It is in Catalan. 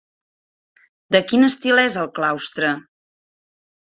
De quin estil és el claustre?